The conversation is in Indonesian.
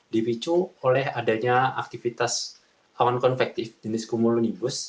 dipicu oleh adanya aktivitas awan konvektif jenis kumulonimbus